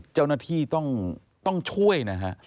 เจ้าหน้าที่ต้องช่วยนะฮะ